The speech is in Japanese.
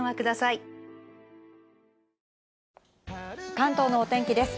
関東のお天気です。